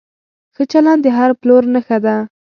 ښه چلند د هر پلور نښه ده.